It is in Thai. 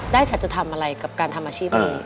ได้สัจจีดทำอะไรกับการทำอาชีพนี้